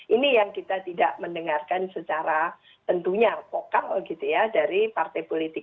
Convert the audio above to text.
ini yang kita tidak mendengarkan secara tentunya vokal gitu ya dari partai politik